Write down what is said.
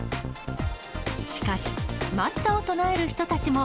しかし、待ったを唱える人たちも。